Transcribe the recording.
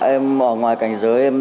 em ở ngoài cảnh giới em